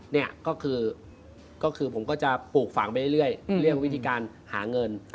นี่ก็คือผมก็จะปลูกฝังไปเรื่อยเรื่องวิธีการหาเงิน